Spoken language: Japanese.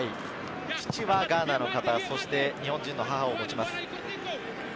父はガーナの方、日本人の母を持ちます。